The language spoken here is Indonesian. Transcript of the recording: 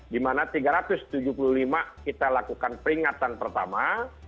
di mana tiga ratus tujuh puluh lima kita lakukan peringatan pertama